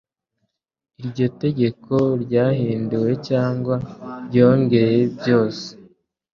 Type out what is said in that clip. iryo tegeko ryahinduwe cyangwa ryongeye byose